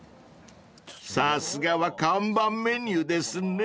［さすがは看板メニューですね］